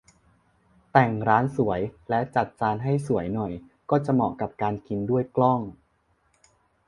แต่งร้านสวยและจัดจานให้สวยหน่อย ก็จะเหมาะกับการกินด้วยกล้อง